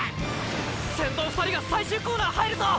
先頭２人が最終コーナー入るぞ！！